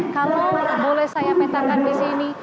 kalau boleh saya petakan di sini